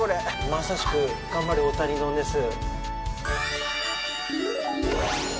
まさしく「がんばれ大谷丼」です。